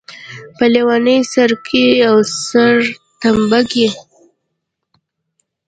په لېونۍ سرکښۍ او سرتمبه ګۍ.